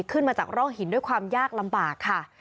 ขึ้นมาจากร่องหินด้วยความยากลำบากค่ะ